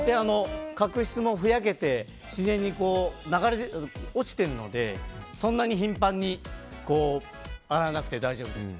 角質もふやけて自然に流れ落ちているのでそんなに頻繁に洗わなくて大丈夫です。